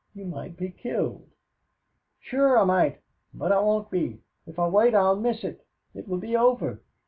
You might be killed." "Sure, I might but I won't be. If I wait I'll miss it. It will be over.